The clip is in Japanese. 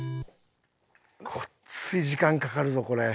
ごっつい時間かかるぞこれ。